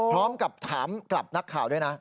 พร้อมกับถามกลับนักข่าวด้วยนะ